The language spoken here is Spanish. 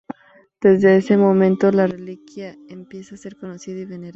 Desde ese momento la reliquia empieza a ser conocida y venerada.